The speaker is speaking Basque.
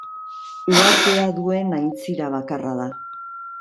Uhartea duen aintzira bakarra da.